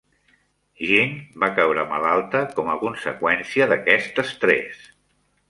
Jean va caure malalta com a conseqüència d"aquest estrès.